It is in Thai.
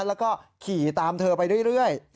แล้วก็ขี่ตามเธอไปเรื่อย